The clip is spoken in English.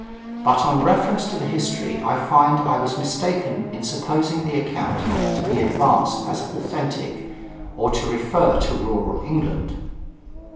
But on reference to the History I find I was mistaken in supposing the account to be advanced as authentic, or to refer to rural England.